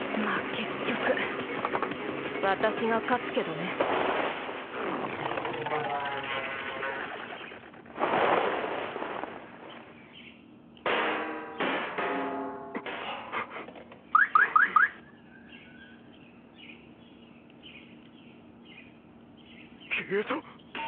結局私が勝つけどね消えた！？